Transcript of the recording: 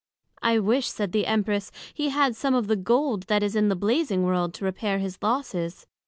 I wish, said the Empress, he had some of the Gold that is in the Blazing world, to repair his losses.